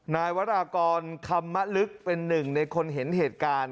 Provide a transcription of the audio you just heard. นายวรากรคำมะลึกเป็นหนึ่งในคนเห็นเหตุการณ์